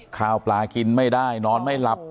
ข้าวปลากินไม่ได้นอนไม่หลับ